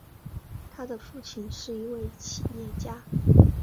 他的父亲是一位企业家。